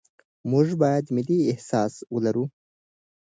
موږ باید ملي احساس ولرو.